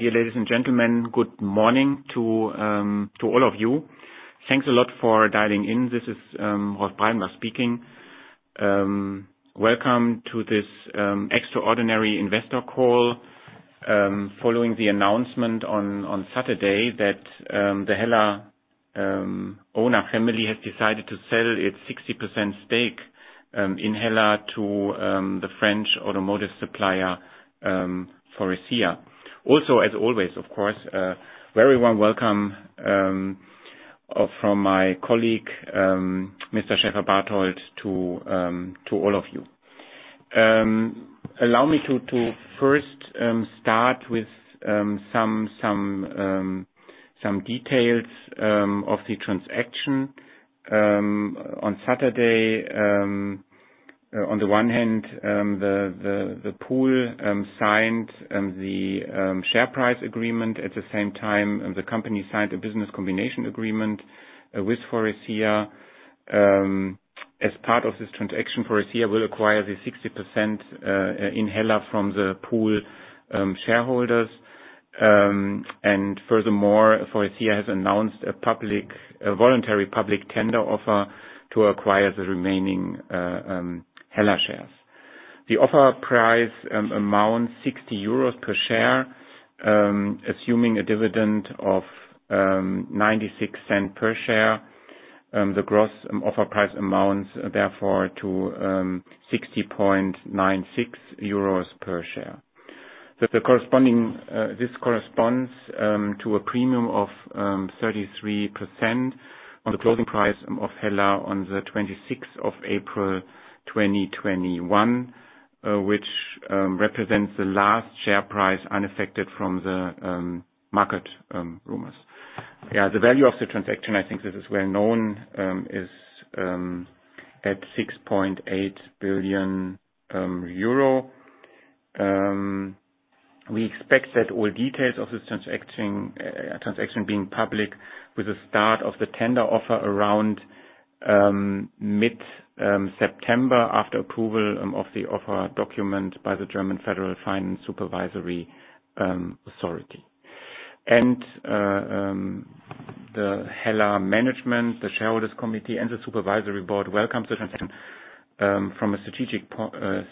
Dear ladies and gentlemen, good morning to all of you. Thanks a lot for dialing in. This is Rolf Breidenbach speaking. Welcome to this extraordinary investor call following the announcement on Saturday that the HELLA owner family has decided to sell its 60% stake in HELLA to the French automotive supplier, Faurecia. Also, as always, of course, a very warm welcome from my colleague, Mr. Schäferbarthold, to all of you. Allow me to first start with some details of the transaction. On Saturday, on the one hand, the Pool signed the Share Purchase Agreement. At the same time, the company signed a Business Combination Agreement with Faurecia. As part of this transaction, Faurecia will acquire the 60% in HELLA from the Pool shareholders. Furthermore, Faurecia has announced a voluntary public tender offer to acquire the remaining HELLA shares. The offer price amounts to 60 euros per share, assuming a dividend of 0.96 per share. The gross offer price amounts, therefore, to 60.96 euros per share. This corresponds to a premium of 33% on the closing price of HELLA on the 26th of April 2021, which represents the last share price unaffected from the market rumors. The value of the transaction, I think this is well known, is at 6.8 billion euro. We expect that all details of this transaction being public with the start of the tender offer around mid-September, after approval of the offer document by the German Federal Financial Supervisory Authority. The HELLA management, the shareholders committee, and the supervisory board welcome the transaction. From a strategic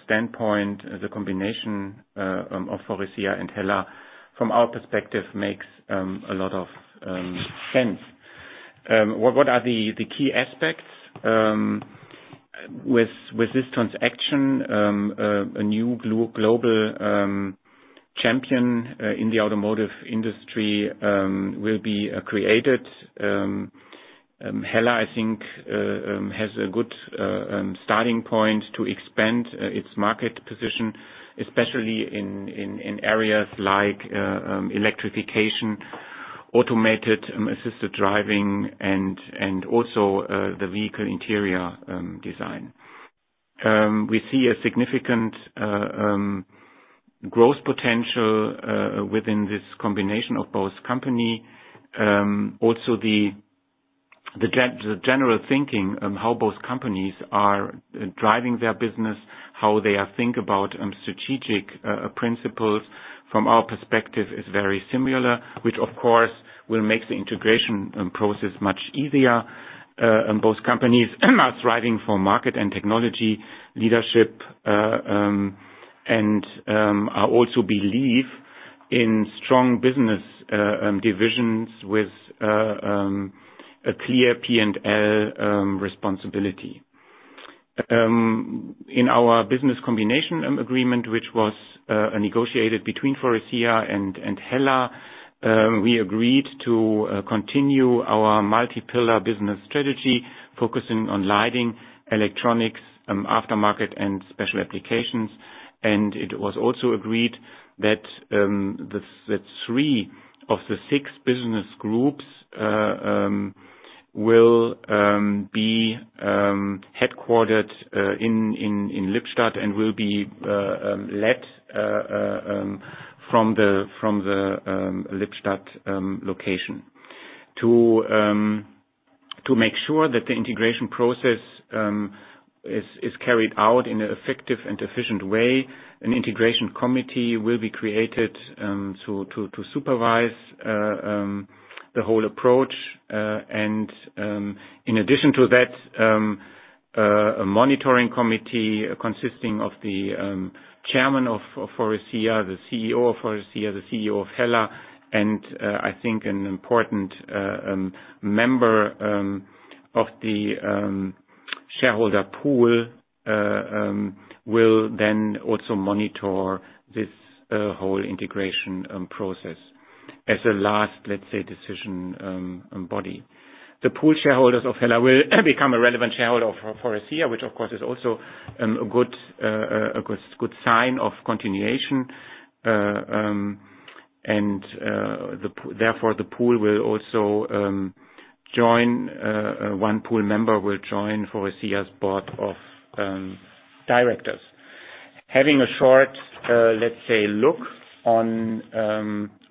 standpoint, the combination of Faurecia and HELLA, from our perspective, makes a lot of sense. What are the key aspects? With this transaction, a new global champion in the automotive industry will be created. HELLA, I think, has a good starting point to expand its market position, especially in areas like electrification, automated assisted driving, and also the vehicle interior design. We see a significant growth potential within this combination of both companies. The general thinking on how both companies are driving their business, how they think about strategic principles, from our perspective is very similar, which of course will make the integration process much easier. Both companies are striving for market and technology leadership, and also believe in strong business divisions with a clear P&L responsibility. In our Business Combination Agreement, which was negotiated between Faurecia and HELLA, we agreed to continue our multi-pillar business strategy, focusing on Lighting, Electronics, Aftermarket, and Special Applications. It was also agreed that three of the six business groups will be headquartered in Lippstadt, and will be led from the Lippstadt location. To make sure that the integration process is carried out in an effective and efficient way, an integration committee will be created to supervise the whole approach. In addition to that, a monitoring committee consisting of the Chairman of Faurecia, the CEO of Faurecia, the CEO of HELLA, and I think an important member of the shareholder Pool will then also monitor this whole integration process as a last, let's say, decision body. The Pool shareholders of HELLA will become a relevant shareholder for Faurecia, which of course is also a good sign of continuation. Therefore, one Pool member will join Faurecia's board of directors. Having a short look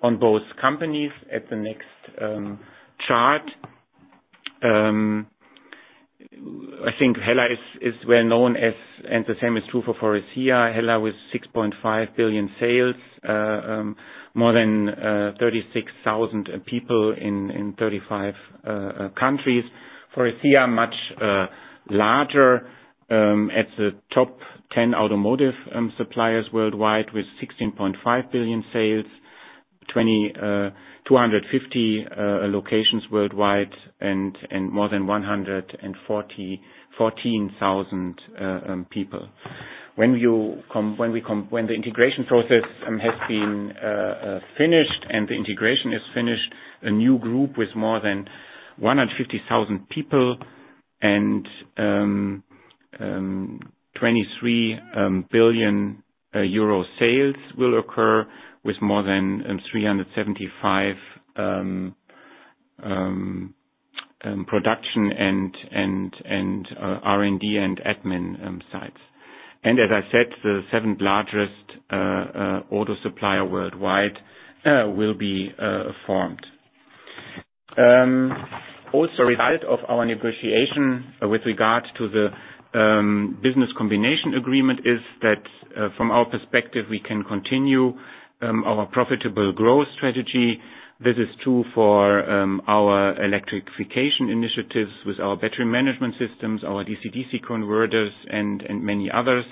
on both companies at the next chart. I think HELLA is well known as, and the same is true for Faurecia. HELLA with 6.5 billion sales, more than 36,000 people in 35 countries. Faurecia, much larger, at the top 10 automotive suppliers worldwide with 16.5 billion sales, 250 locations worldwide, and more than 114,000 people. When the integration process has been finished and the integration is finished, a new group with more than 150,000 people and 23 billion euro sales will occur with more than 375 production and R&D and admin sites. As I said, the seventh largest auto supplier worldwide will be formed. Also, a result of our negotiation with regard to the Business Combination Agreement is that from our perspective, we can continue our profitable growth strategy. This is true for our electrification initiatives with our battery management systems, our DC/DC converters and many others.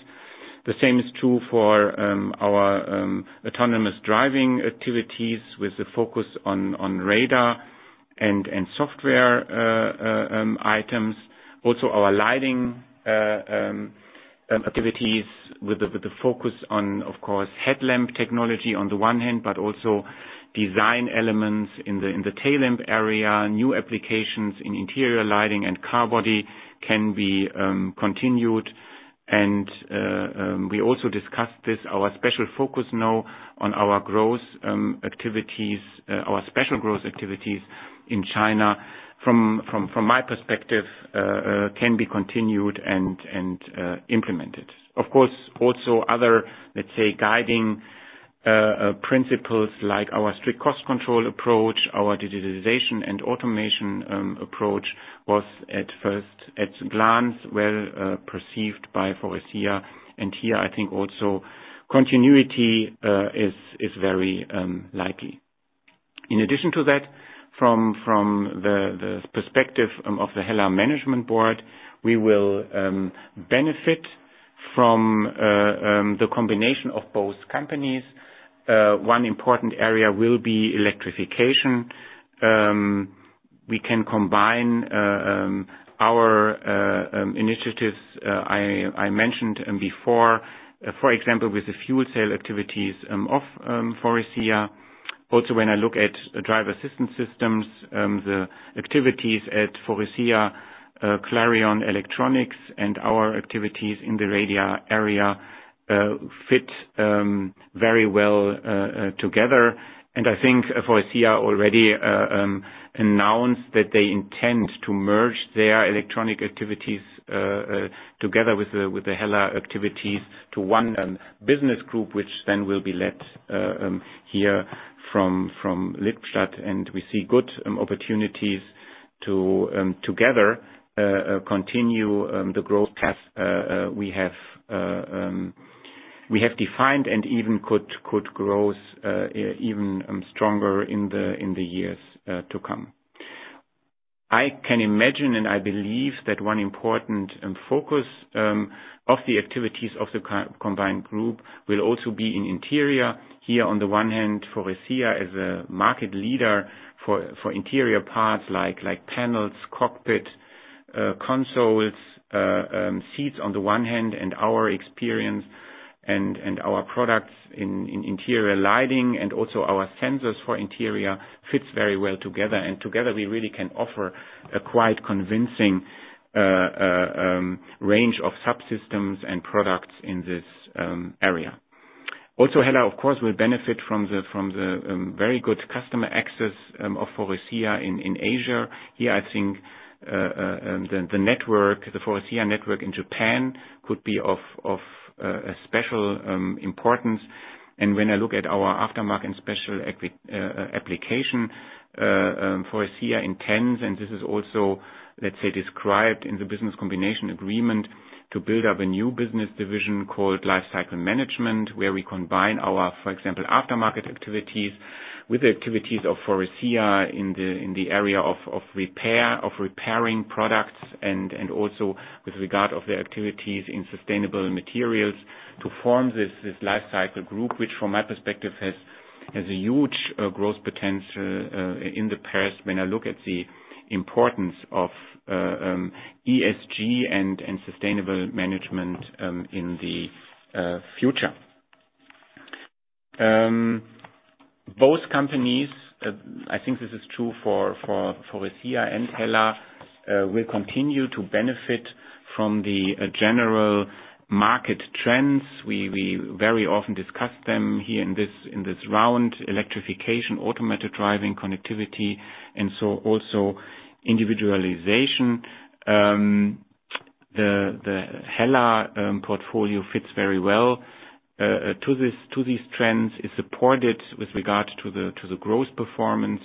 The same is true for our autonomous driving activities with the focus on radar and software items. Our Lighting activities with the focus on, of course, headlamp technology on the one hand, but also design elements in the tail lamp area, new applications in interior lighting and car body can be continued. We also discussed this, our special focus now on our special growth activities in China, from my perspective, can be continued and implemented. Of course, also other, let's say, guiding principles like our strict cost control approach, our digitalization and automation approach was at first glance well-perceived by Faurecia, and here I think also continuity is very likely. In addition to that, from the perspective of the HELLA management board, we will benefit from the combination of both companies. One important area will be electrification. We can combine our initiatives I mentioned before, for example, with the fuel cell activities of Faurecia. Also when I look at driver assistance systems, the activities at Faurecia Clarion Electronics, and our activities in the radar area fit very well together. I think Faurecia already announced that they intend to merge their electronic activities together with the HELLA activities to one business group, which then will be led here from Lippstadt. We see good opportunities to together continue the growth path we have defined and even could grow even stronger in the years to come. I can imagine, and I believe that one important focus of the activities of the combined group will also be in interior. On the one hand, Faurecia is a market leader for interior parts like panels, cockpit consoles, seats on the one hand, and our experience and our products in interior lighting and also our sensors for interior fits very well together. Together we really can offer a quite convincing range of subsystems and products in this area. Also, HELLA, of course, will benefit from the very good customer access of Faurecia in Asia. I think the Faurecia network in Japan could be of special importance. When I look at our Aftermarket and Special Application, Faurecia intends, and this is also, let's say, described in the Business Combination Agreement to build up a new business division called Lifecycle Management, where we combine our, for example, Aftermarket activities with the activities of Faurecia in the area of repairing products and also with regard of the activities in sustainable materials to form this Lifecycle group, which from my perspective, has a huge growth potential in the past when I look at the importance of ESG and sustainable management in the future. Both companies, I think this is true for Faurecia and HELLA will continue to benefit from the general market trends. We very often discuss them here in this round, electrification, automated driving, connectivity, and also individualization. The HELLA portfolio fits very well to these trends. It's supported with regard to the growth performance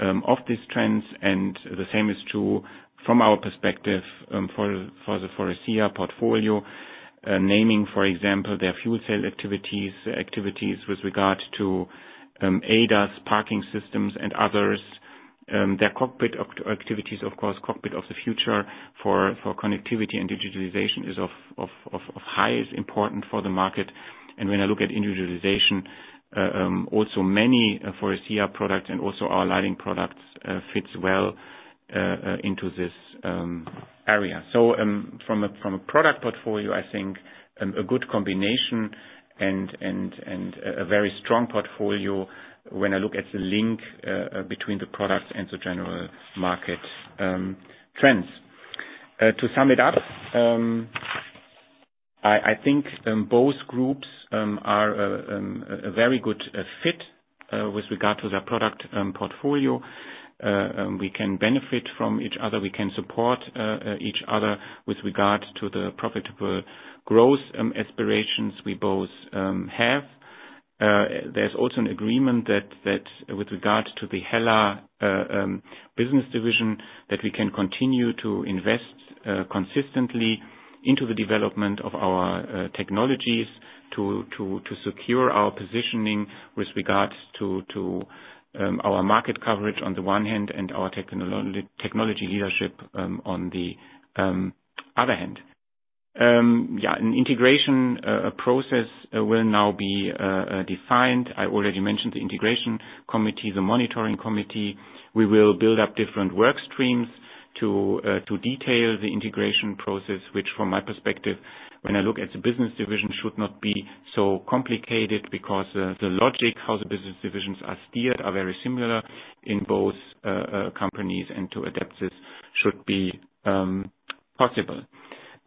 of these trends, and the same is true from our perspective for the Faurecia portfolio, naming, for example, their fuel cell activities with regard to ADAS parking systems and others. Their cockpit activities, of course, Cockpit of the Future for connectivity and digitalization is of highest importance for the market. When I look at individualization, also many Faurecia products and also our lighting products fit well into this area. From a product portfolio, I think a good combination and a very strong portfolio when I look at the link between the products and the general market trends. To sum it up, I think both groups are a very good fit with regard to their product portfolio. We can benefit from each other. We can support each other with regard to the profitable growth aspirations we both have. There's also an agreement that with regard to the HELLA business division, that we can continue to invest consistently into the development of our technologies to secure our positioning with regards to our market coverage on the one hand and our technology leadership on the other hand. An integration process will now be defined. I already mentioned the integration committee, the monitoring committee. We will build up different work streams to detail the integration process, which from my perspective, when I look at the business division, should not be so complicated because the logic how the business divisions are steered are very similar in both companies, and to adapt this should be possible.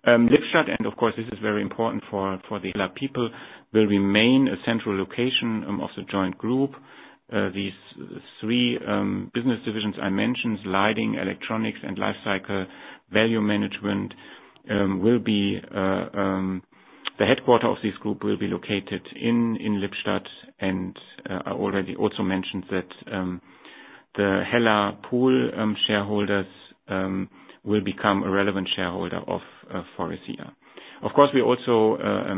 Lippstadt, and of course, this is very important for the HELLA people, will remain a central location of the joint group. These three business divisions I mentioned, Lighting, Electronics, and Lifecycle Value Management, the headquarter of this group will be located in Lippstadt, and I already also mentioned that the HELLA Pool shareholders will become a relevant shareholder of Faurecia. We also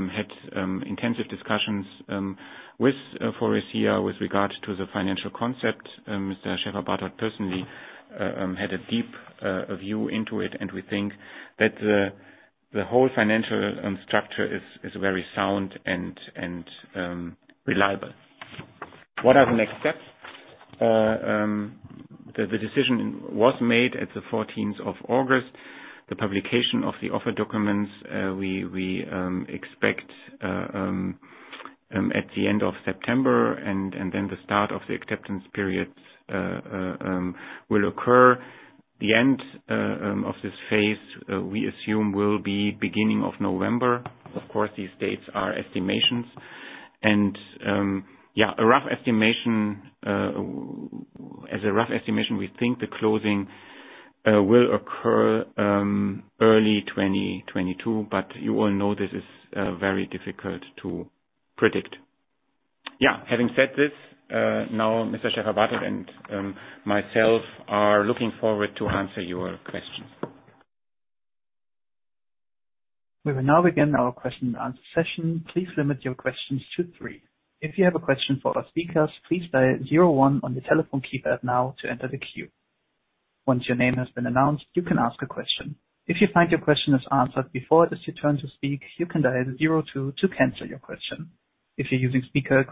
had intensive discussions with Faurecia with regard to the financial concept. Mr. Schäferbarthold personally had a deep view into it, and we think that the whole financial structure is very sound and reliable. What are the next steps? The decision was made at the 14th of August. The publication of the offer documents, we expect at the end of September, and then the start of the acceptance periods will occur. The end of this phase, we assume, will be beginning of November. These dates are estimations. As a rough estimation, we think the closing will occur early 2022, but you all know this is very difficult to predict. Having said this, now Mr. Schäferbarthold and myself are looking forward to answer your questions. The first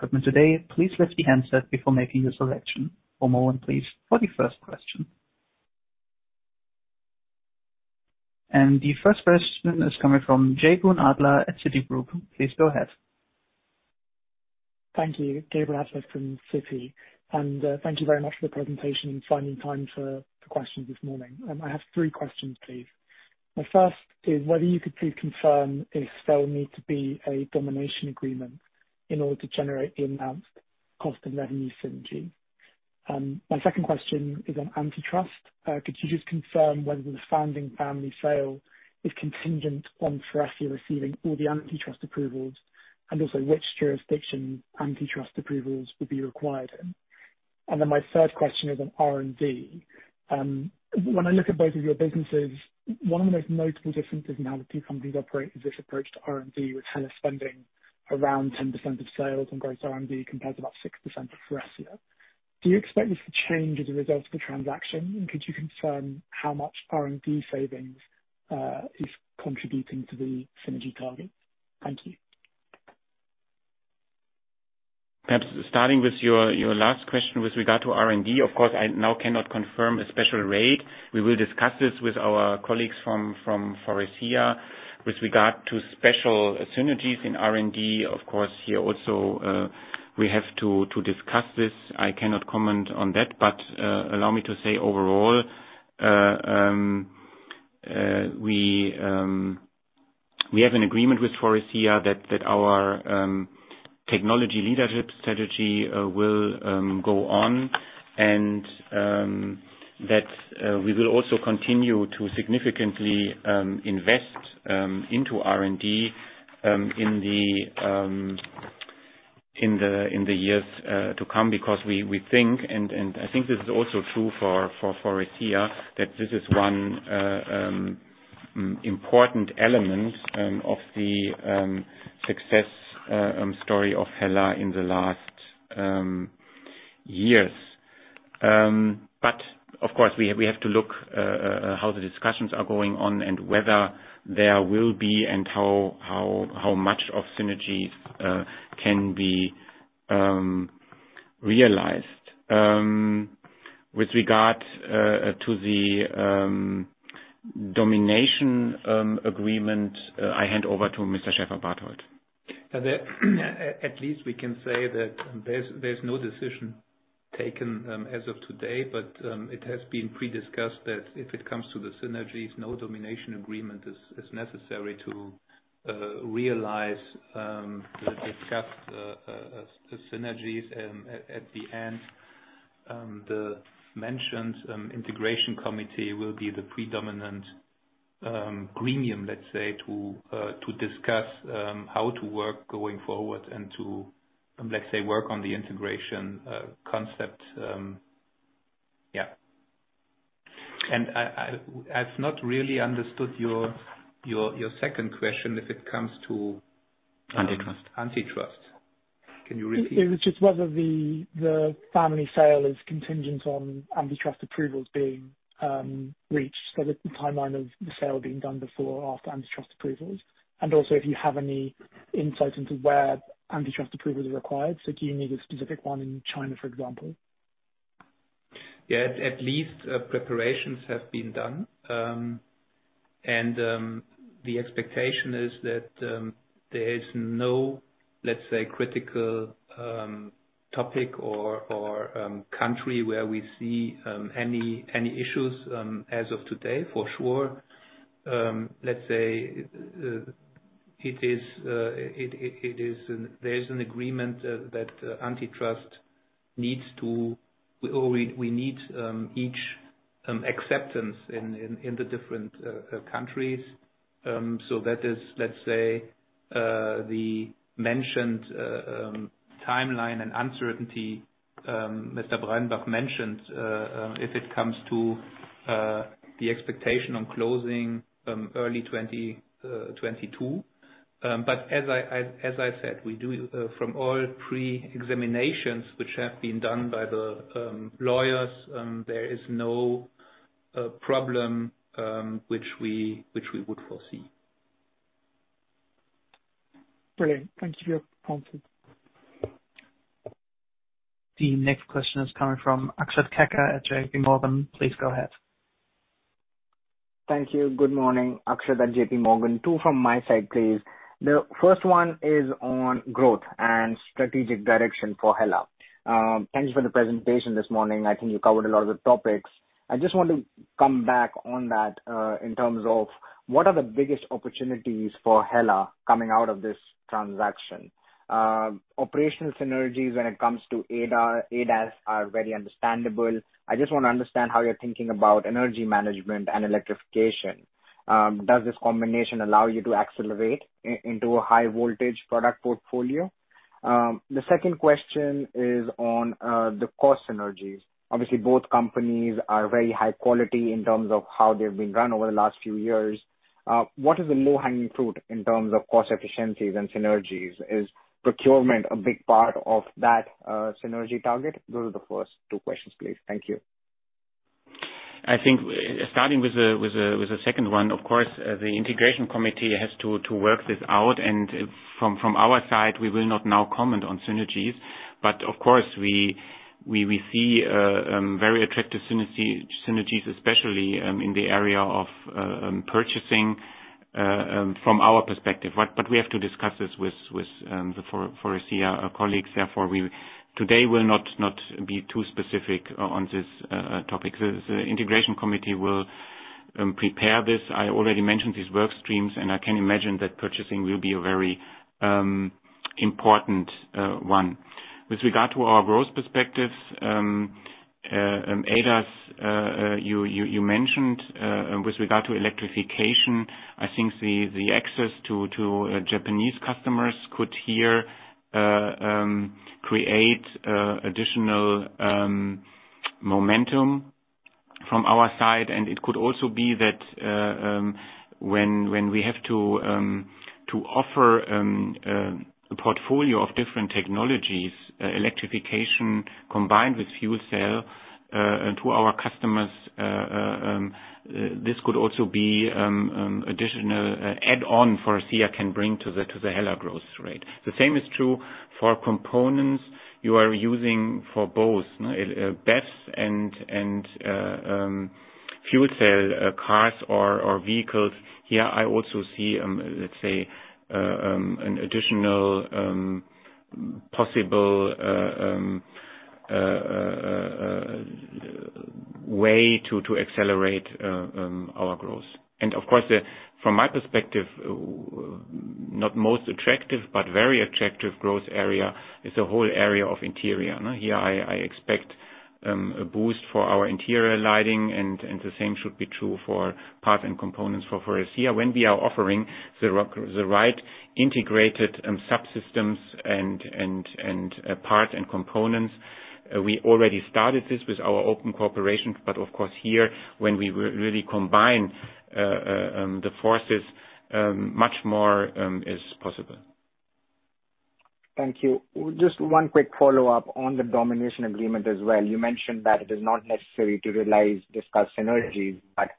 question is coming from Gabriel Adler at Citigroup. Please go ahead. Thank you. Gabriel Adler from Citi. Thank you very much for the presentation and finding time for questions this morning. I have three questions, please. My first is whether you could please confirm if there will need to be a domination agreement in order to generate the announced cost and revenue synergy. My second question is on antitrust. Could you just confirm whether the founding family sale is contingent on Faurecia receiving all the antitrust approvals, and also which jurisdiction antitrust approvals would be required in? My third question is on R&D. When I look at both of your businesses, one of the most notable differences in how the two companies operate is this approach to R&D, with HELLA spending around 10% of sales on gross R&D compared to about 6% for Faurecia. Do you expect this to change as a result of the transaction? Could you confirm how much R&D savings is contributing to the synergy targets? Thank you. Perhaps starting with your last question with regard to R&D, of course, I now cannot confirm a special rate. We will discuss this with our colleagues from Faurecia. With regard to special synergies in R&D, of course, here also we have to discuss this. I cannot comment on that. Allow me to say overall, we have an agreement with Faurecia that our technology leadership strategy will go on, and that we will also continue to significantly invest into R&D In the years to come, because we think, and I think this is also true for Faurecia, that this is one important element of the success story of HELLA in the last years. Of course, we have to look how the discussions are going on and whether there will be, and how much of synergies can be realized. With regard to the domination agreement, I hand over to Mr. Schäferbarthold. At least we can say that there's no decision taken as of today. It has been pre-discussed that if it comes to the synergies, no domination agreement is necessary to realize the discussed synergies. At the end, the mentioned integration committee will be the predominant gremium, let's say, to discuss how to work going forward and to, let's say, work on the integration concept. Yeah. I've not really understood your second question if it comes to. Antitrust. Antitrust. Can you repeat? It was just whether the family sale is contingent on antitrust approvals being reached, so the timeline of the sale being done before or after antitrust approvals, and also if you have any insight into where antitrust approvals are required. Do you need a specific one in China, for example? Yeah. At least preparations have been done. The expectation is that there is no, let's say, critical topic or country where we see any issues, as of today, for sure. Let's say, there is an agreement that antitrust needs to, or we need each acceptance in the different countries. That is, let's say, the mentioned timeline and uncertainty Mr. Breidenbach mentioned, if it comes to the expectation on closing early 2022. As I said, from all pre-examinations which have been done by the lawyers, there is no problem which we would foresee. Brilliant. Thank you for your answer. The next question is coming from Akshat Kacker at JPMorgan. Please go ahead. Thank you. Good morning. Akshat Kacker at JPMorgan. Two from my side, please. The first one is on growth and strategic direction for HELLA. Thank you for the presentation this morning. I think you covered a lot of the topics. I just want to come back on that, in terms of what are the biggest opportunities for HELLA coming out of this transaction? Operational synergies when it comes to ADAS are very understandable. I just want to understand how you're thinking about energy management and electrification. Does this combination allow you to accelerate into a high voltage product portfolio? The second question is on the cost synergies. Obviously, both companies are very high quality in terms of how they've been run over the last few years. What is the low-hanging fruit in terms of cost efficiencies and synergies? Is procurement a big part of that synergy target? Those are the first two questions, please. Thank you. I think starting with the second one, of course, the integration committee has to work this out, and from our side, we will not now comment on synergies. Of course, we see very attractive synergies, especially in the area of purchasing from our perspective. We have to discuss this with the Faurecia colleagues, therefore, we today will not be too specific on this topic. The integration committee will prepare this. I already mentioned these work streams, and I can imagine that purchasing will be a very important one. With regard to our growth perspectives, ADAS, you mentioned. With regard to electrification, I think the access to Japanese customers could here create additional momentum from our side, and it could also be that when we have to offer a portfolio of different technologies, electrification combined with fuel cell to our customers, this could also be additional add-on Faurecia can bring to the HELLA growth rate. The same is true for components you are using for both BEVs and fuel cell cars or vehicles. Here, I also see, let's say, an additional possible way to accelerate our growth. Of course, from my perspective, not most attractive, but very attractive growth area is the whole area of interior. Here, I expect a boost for our interior lighting, and the same should be true for parts and components for Faurecia when we are offering the right integrated subsystems and parts and components. We already started this with our open cooperation, but of course, here, when we really combine the forces, much more is possible. Thank you. Just one quick follow-up on the domination agreement as well. You mentioned that it is not necessary to realize discussed synergies, but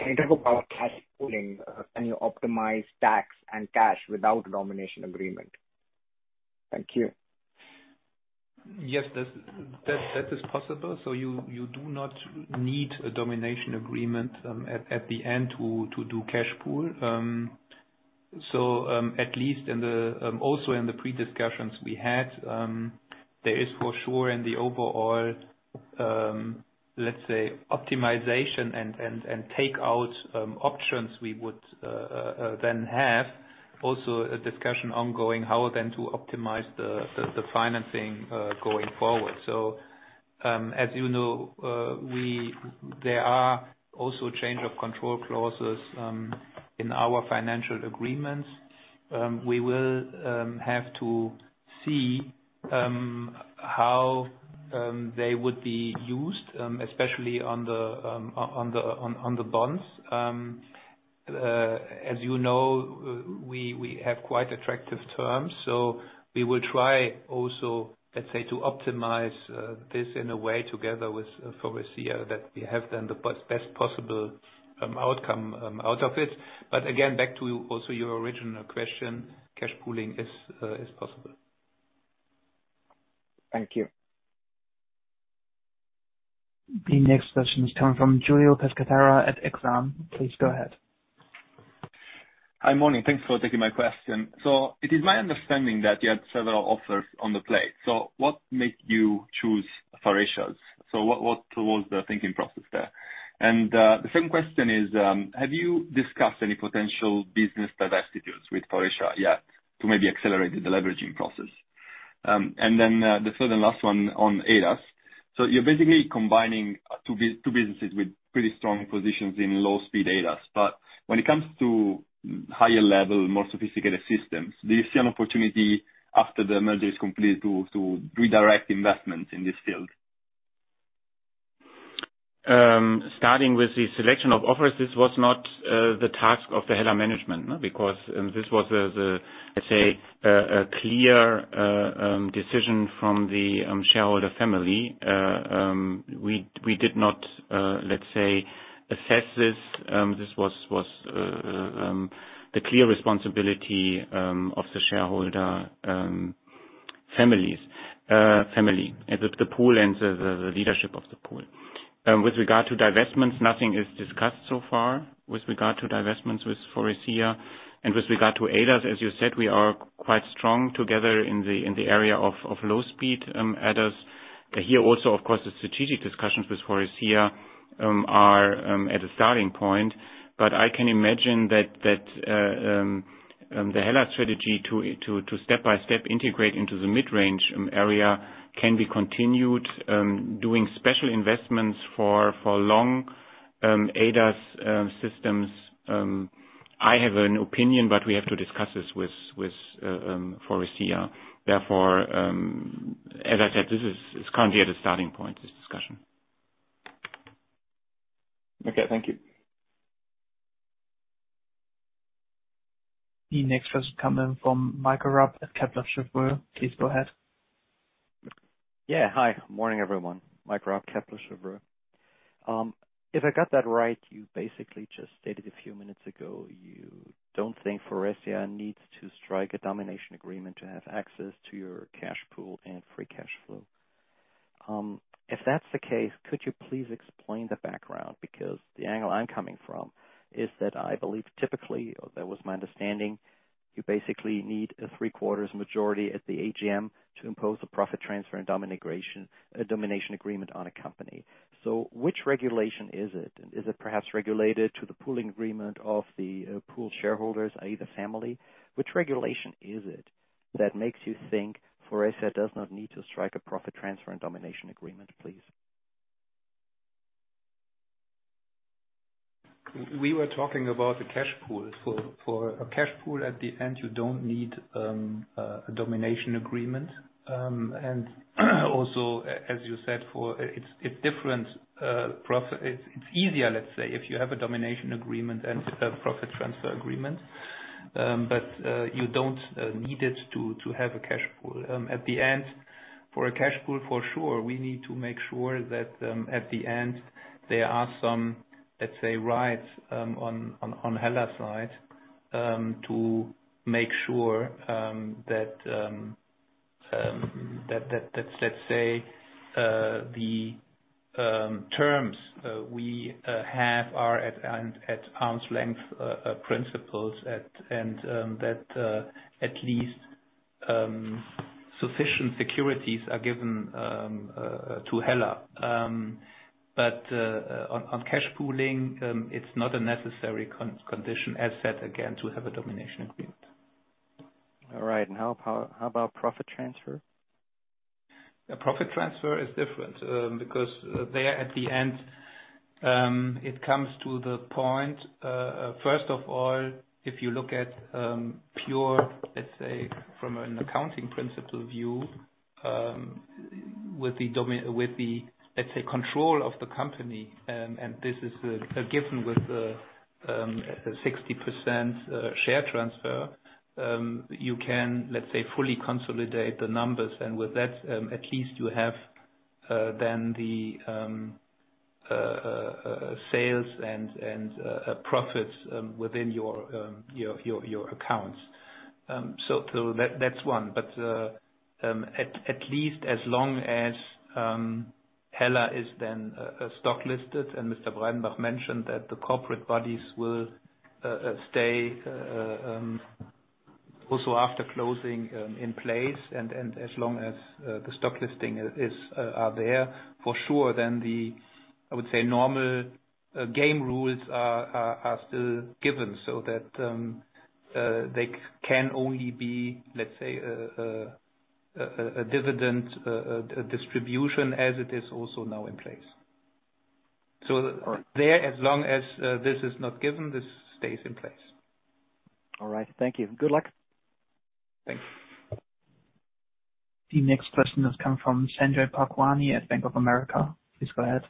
in terms of our cash pooling, can you optimize tax and cash without a domination agreement? Thank you. Yes. That is possible. You do not need a domination agreement at the end to do cash pool. Also in the pre-discussions we had, there is for sure in the overall, let's say, optimization and take-out options we would then have also a discussion ongoing how then to optimize the financing going forward. As you know, there are also change of control clauses in our financial agreements. We will have to see how they would be used, especially on the bonds. As you know, we have quite attractive terms, we will try also, let's say, to optimize this in a way together with Faurecia that we have then the best possible outcome out of it. Again, back to your original question, cash pooling is possible. Thank you. The next question is coming from Giulio Pescatore at Exane. Please go ahead. Hi. Morning. Thanks for taking my question. It is my understanding that you had several offers on the plate. What made you choose Faurecia's? What was the thinking process there? The second question is, have you discussed any potential business divestitures with Faurecia yet to maybe accelerate the leveraging process? The third and last one on ADAS. You're basically combining two businesses with pretty strong positions in low-speed ADAS. When it comes to higher level, more sophisticated systems, do you see an opportunity after the merger is complete to redirect investments in this field? Starting with the selection of offers, this was not the task of the HELLA management because this was the, let's say, a clear decision from the shareholder family. We did not, let's say, assess this. This was the clear responsibility of the shareholder family and the Pool and the leadership of the Pool. With regard to divestments, nothing is discussed so far with regard to divestments with Faurecia. With regard to ADAS, as you said, we are quite strong together in the area of low-speed ADAS. Here also, of course, the strategic discussions with Faurecia are at a starting point. I can imagine that the HELLA strategy to step by step integrate into the mid-range area can be continued doing special investments for long-range ADAS systems. I have an opinion, but we have to discuss this with Faurecia. Therefore, as I said, this is currently at a starting point, this discussion. Okay, thank you. The next question coming from Michael Raab at Kepler Cheuvreux. Please go ahead. Hi. Morning, everyone. Michael Raab, Kepler Cheuvreux. If I got that right, you basically just stated a few minutes ago, you don't think Faurecia needs to strike a domination agreement to have access to your cash pool and free cash flow. If that's the case, could you please explain the background? Because the angle I'm coming from is that I believe typically, or that was my understanding, you basically need a three-quarters majority at the AGM to impose a profit transfer and domination agreement on a company. Which regulation is it? Is it perhaps regulated to the pooling agreement of the Pool shareholders, i.e. the family? Which regulation is it that makes you think Faurecia does not need to strike a profit transfer and domination agreement, please? We were talking about the cash pool. For a cash pool at the end, you don't need a domination agreement. Also, as you said, it's easier, let's say, if you have a domination agreement and a profit transfer agreement, you don't need it to have a cash pool. At the end, for a cash pool, for sure, we need to make sure that at the end, there are some, let's say, rights on HELLA's side, to make sure that, let's say, the terms we have are at arm's length principles and that at least sufficient securities are given to HELLA. On cash pooling, it's not a necessary condition, as said again, to have a domination agreement. All right. How about profit transfer? A profit transfer is different because there at the end, it comes to the point, first of all, if you look at pure, let's say, from an accounting principle view. With the, let's say, control of the company, and this is a given with the 60% share transfer, you can, let's say, fully consolidate the numbers. With that, at least you have then the sales and profits within your accounts. That's one. At least as long as HELLA is then stock listed, and Mr. Breidenbach mentioned that the corporate bodies will stay also after closing in place and as long as the stock listing are there, for sure, then the, I would say, normal game rules are still given so that they can only be, let's say, a dividend distribution as it is also now in place. All right. There, as long as this is not given, this stays in place. All right. Thank you. Good luck. Thanks. The next question has come from Sanjay Bhagwani at Bank of America. Please go ahead.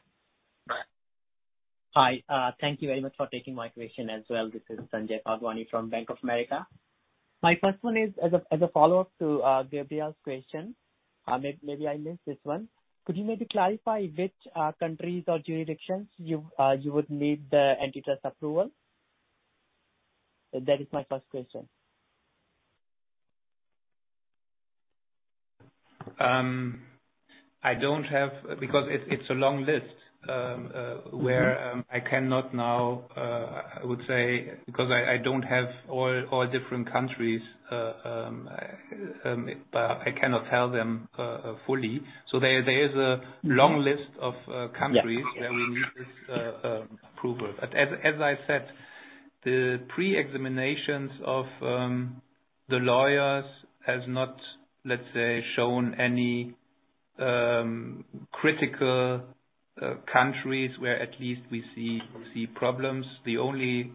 Hi. Thank you very much for taking my question as well. This is Sanjay Bhagwani from Bank of America. My first one is as a follow-up to Gabriel's question. Maybe I missed this one. Could you maybe clarify which countries or jurisdictions you would need the antitrust approval? That is my first question. It's a long list where I cannot now, I would say, because I don't have all different countries, but I cannot tell them fully. There is a long list of countries. Yeah. Where we need this approval. As I said, the pre-examinations of the lawyers has not, let's say, shown any critical countries where at least we see problems. The only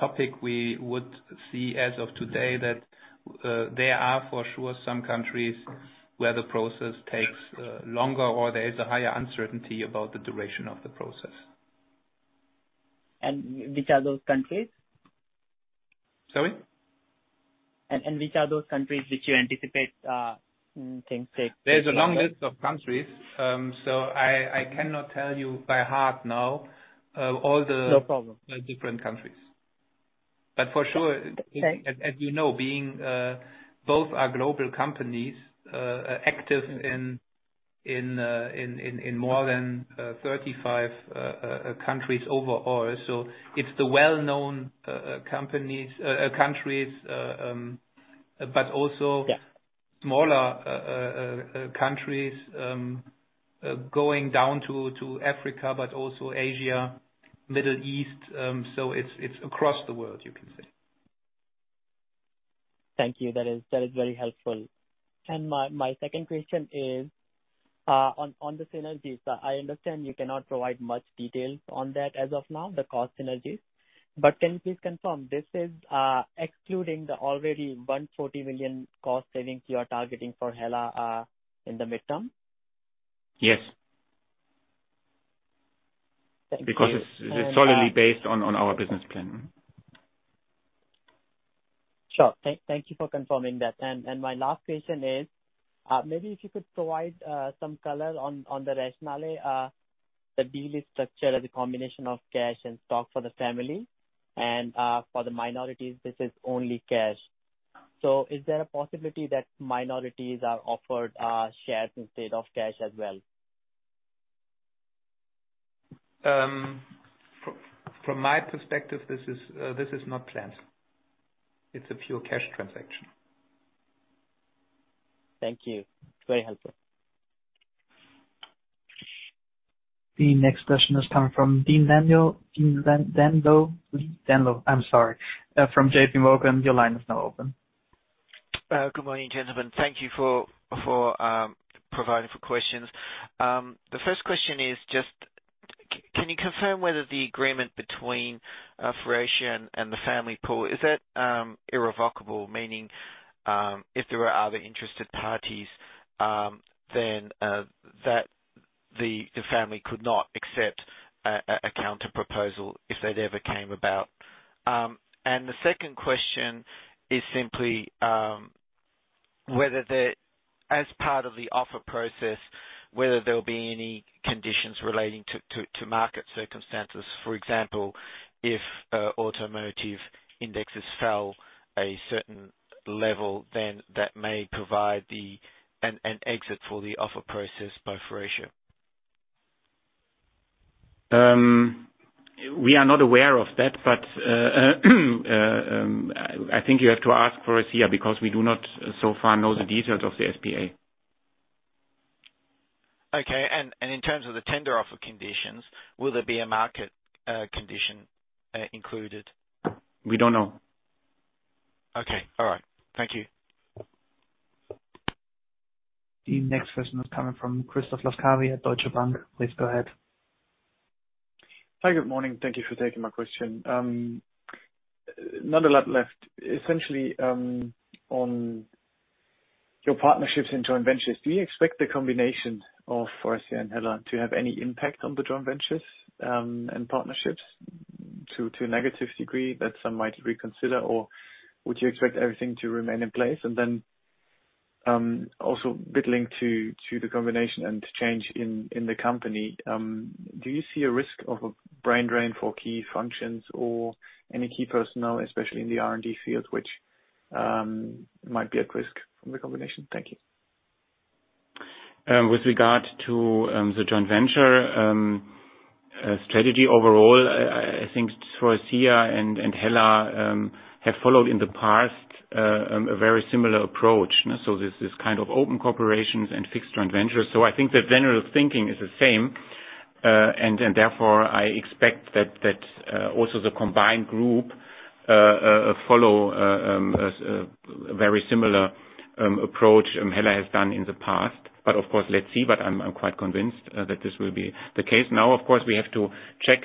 topic we would see as of today that there are, for sure, some countries where the process takes longer or there is a higher uncertainty about the duration of the process. Which are those countries? Sorry? Which are those countries which you anticipate things? There's a long list of countries. I cannot tell you by heart now. No problem. Different countries. For sure, as you know, being both are global companies active in more than 35 countries overall. It's the well-known countries, but also. Yeah. Smaller countries going down to Africa but also Asia, Middle East. It's across the world, you can say. Thank you. That is very helpful. My second question is on the synergies. I understand you cannot provide much details on that as of now, the cost synergies, but can you please confirm this is excluding the already 140 million cost savings you are targeting for HELLA in the midterm? Yes. Thank you. Because it is solidly based on our business plan. Sure. Thank you for confirming that. My last question is, maybe if you could provide some color on the rationale the deal is structured as a combination of cash and stock for the family and for the minorities, this is only cash. Is there a possibility that minorities are offered shares instead of cash as well? From my perspective, this is not planned. It's a pure cash transaction. Thank you. Very helpful. The next question is coming from [Dean Daniel]. I'm sorry. From JPMorgan, your line is now open. Good morning, gentlemen. Thank you for providing for questions. The first question is just, can you confirm whether the agreement between Faurecia and the family Pool, is that irrevocable? Meaning, if there are other interested parties, then the family could not accept a counter proposal if that ever came about. The second question is simply, whether as part of the offer process, whether there'll be any conditions relating to market circumstances. For example, if automotive indexes fell a certain level, then that may provide an exit for the offer process by Faurecia. We are not aware of that, but I think you have to ask Faurecia because we do not so far know the details of the SPA. Okay. In terms of the tender offer conditions, will there be a market condition included? We don't know. Okay. All right. Thank you. The next question is coming from Christoph Laskawi at Deutsche Bank. Please go ahead. Hi, good morning. Thank you for taking my question. Not a lot left. Essentially, on your partnerships and joint ventures, do you expect the combination of Faurecia and HELLA to have any impact on the joint ventures, and partnerships to a negative degree that some might reconsider? Would you expect everything to remain in place? Also bit linked to the combination and change in the company, do you see a risk of a brain drain for key functions or any key personnel, especially in the R&D field, which might be at risk from the combination? Thank you. With regard to the joint venture strategy overall, I think Faurecia and HELLA have followed in the past a very similar approach. This is kind of open corporations and fixed joint ventures. I think the general thinking is the same, and therefore I expect that also the combined group follow a very similar approach HELLA has done in the past. Of course, let's see. I'm quite convinced that this will be the case. Of course, we have to check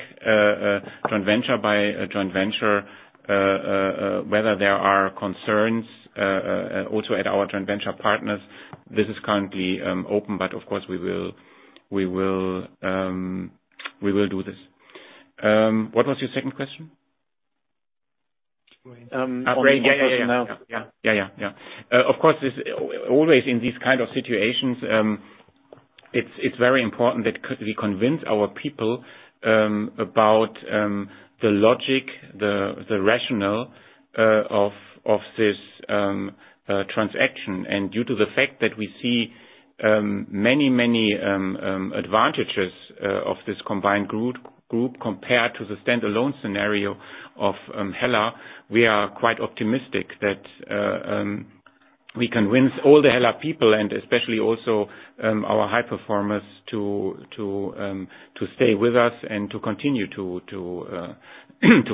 joint venture by joint venture, whether there are concerns also at our joint venture partners. This is currently open, but of course we will do this. What was your second question? Yeah. Yeah. Of course, always in these kind of situations, it's very important that we convince our people about the logic, the rationale of this transaction. Due to the fact that we see many advantages of this combined group compared to the standalone scenario of HELLA, we are quite optimistic that we convince all the HELLA people and especially also our high performers to stay with us and to continue to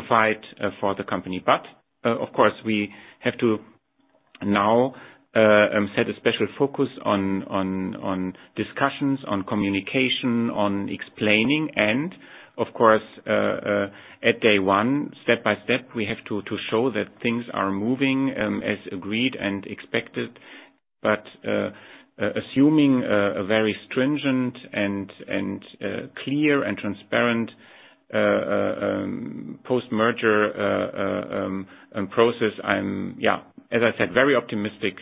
fight for the company. Of course, we have to now set a special focus on discussions, on communication, on explaining. Of course, at day one, step by step, we have to show that things are moving as agreed and expected. Assuming a very stringent and clear and transparent post-merger process, I'm, as I said, very optimistic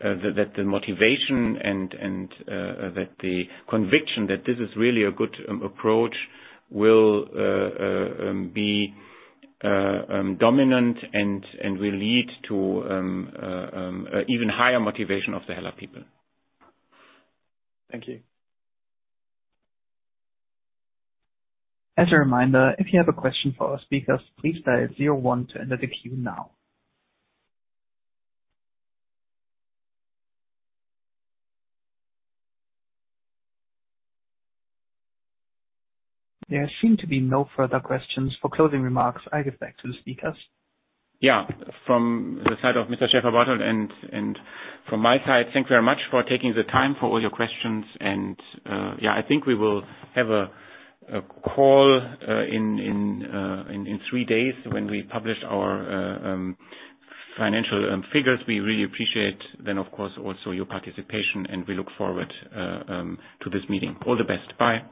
that the motivation and that the conviction that this is really a good approach will be dominant and will lead to even higher motivation of the HELLA people. Thank you. There seem to be no further questions. For closing remarks, I give back to the speakers. Yeah. From the side of Mr. Schäferbarthold and from my side, thank you very much for taking the time for all your questions. I think we will have a call in three days when we publish our financial figures. We really appreciate then, of course, also your participation, and we look forward to this meeting. All the best. Bye.